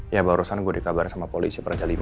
ya barusan gue dikabarin sama polisi praja v